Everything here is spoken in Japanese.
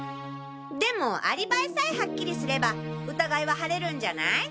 でもアリバイさえハッキリすれば疑いは晴れるんじゃない？